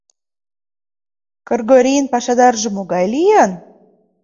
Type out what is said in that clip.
— Кргорийын пашадарже могай лийын?